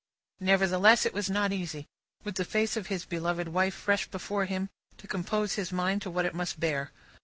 Nevertheless, it was not easy, with the face of his beloved wife fresh before him, to compose his mind to what it must bear.